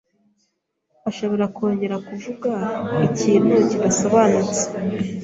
Ashobora kongera kuvuga ikintu kidasobanutse.